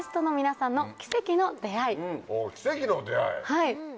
はい。